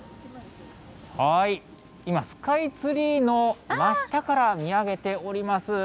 今、スカイツリーの真下から見上げております。